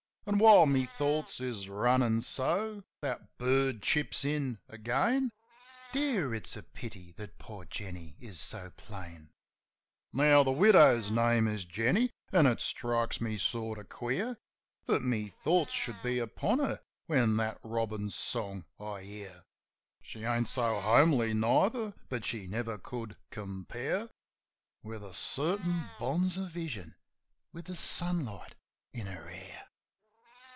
An', while my thoughts is runnin' so, that bird chips in again : "Dear, it's a pity that poor Jenny is so plain." 6G JIM OF THE HILLS Now, the widow's name is Jenny, an' it strikes me sort of queer That my thoughts should be upon her when that robin's song I hear. She ain't so homely neither; but she never could compare With a certain bonzer vision with the sunlight in her hair.